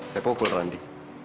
saya pukul randi